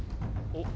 おっ？